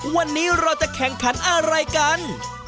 วันนี้เราจะแข่งขันอะไรกัน